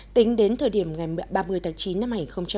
tính đến thời điểm ngày ba mươi tháng chín năm hai nghìn hai mươi